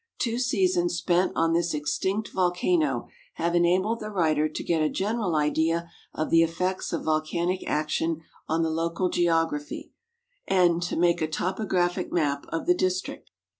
Two seasons spent on this extinct volcano have enabled the writer to get a general idea of the effects of volcanic action on the local geography and to make a topographic map of the district.